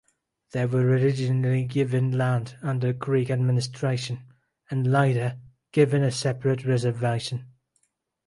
They were originally given land under Creek administration and later given a separate reservation.